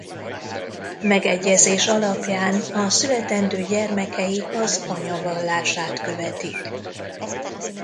Megegyezés alapján a születendő gyermekeik az anya vallását követik.